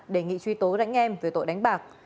đề nghị truy tố đánh em về tội đánh bạc